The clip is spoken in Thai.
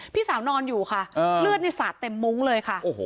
พี่สาวนอนอยู่ค่ะเออเลือดในสัตว์เต็มมุ้งเลยค่ะโอ้โห